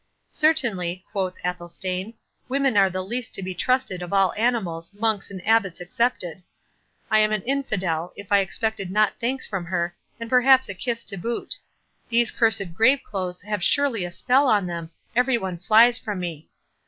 "Certainly," quoth Athelstane, "women are the least to be trusted of all animals, monks and abbots excepted. I am an infidel, if I expected not thanks from her, and perhaps a kiss to boot—These cursed grave clothes have surely a spell on them, every one flies from me.